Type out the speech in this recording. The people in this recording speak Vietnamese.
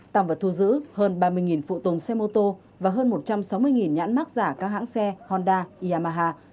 tạm vật thu giữ hơn ba mươi phụ tùng xe mô tô và hơn một trăm sáu mươi nhãn mắc giả các hãng xe honda yamaha